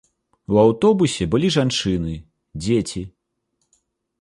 У аўтобусе былі жанчыны, дзеці.